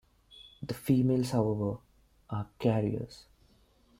The females however, are carriers.